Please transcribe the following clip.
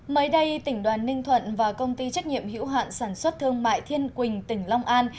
mới đây tỉnh đoàn ninh thuận và công ty trách nhiệm hữu hạn sản xuất thương mại thiên quỳnh tỉnh long an